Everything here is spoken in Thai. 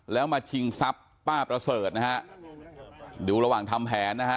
แล้วมาชิงซับป้าพระเสริฐนะฮะเดี๋ยวระหว่างทำแผนนะฮะ